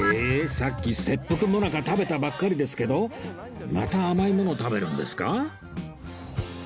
さっき切腹最中食べたばっかりですけどまた甘いもの食べるんですか？